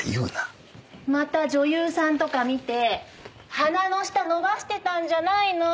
また女優さんとか見て鼻の下伸ばしてたんじゃないの？